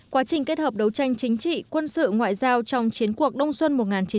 quá trình kết hợp đấu tranh chính trị quân sự ngoại giao trong chiến cuộc đông xuân một nghìn chín trăm bảy mươi năm